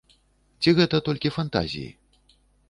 Ці гэта толькі фантазіі?